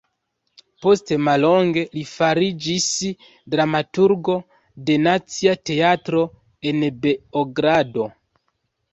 Post mallonge li fariĝis dramaturgo de Nacia Teatro en Beogrado.